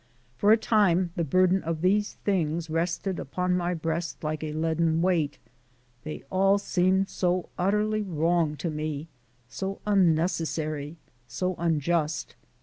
For a time the burden of these things rested upon my breast like a leaden weight; they all seemed so utterly wrong to me, so unnecessary; so unjust!